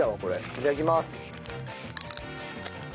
いただきます。